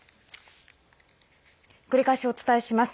繰り返しお伝えします。